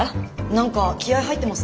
何か気合い入ってますね。